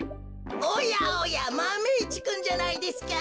おやおやマメ１くんじゃないですか。